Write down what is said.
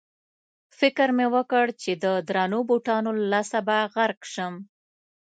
فکر مې وکړ چې د درنو بوټانو له لاسه به غرق شم.